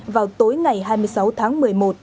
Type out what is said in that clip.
vào tối ngày hai mươi sáu tháng một mươi một